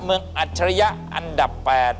เมืองอัจฉริยะอันดับ๘